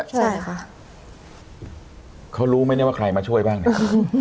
ใช่ค่ะเขารู้ไหมเนี่ยว่าใครมาช่วยบ้างเนี่ย